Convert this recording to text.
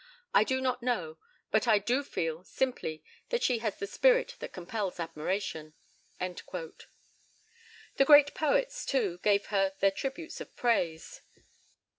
I do not know; but I do feel, simply, that she has the spirit that compels admiration." The great poets, too, gave her their tributes of praise.